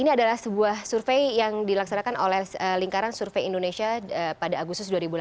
ini adalah sebuah survei yang dilaksanakan oleh lingkaran survei indonesia pada agustus dua ribu delapan belas